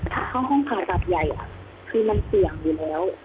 ถ้าเข้าห้องผ่าตัดใหญ่คือมันเสี่ยงอยู่แล้ว